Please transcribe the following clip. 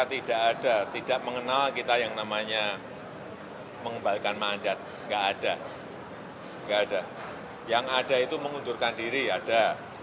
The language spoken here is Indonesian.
tidak ada yang ada itu mengundurkan diri ada